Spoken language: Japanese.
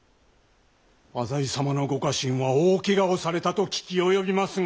浅井様のご家臣は大けがをされたと聞き及びますが？